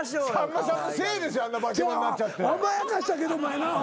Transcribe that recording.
甘やかしたけどもやな。